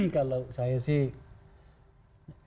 kalau saya sih